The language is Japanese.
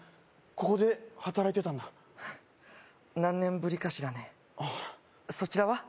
ここで働いてたんだ何年ぶりかしらねそちらは？